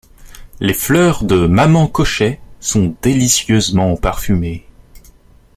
Les fleurs de 'Maman Cochet' sont délicieusement parfumées.